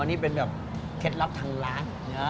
นี่เป็นแบบเคล็ดลับทางร้าน